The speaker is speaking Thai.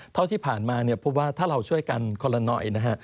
เท่าที่ผ่านมาเนี่ยพบว่าถ้าเราช่วยกันคนละน้อยนะฮะ